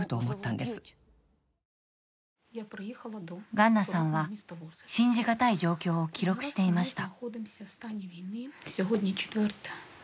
ガンナさんは、信じがたい状況を記録していました。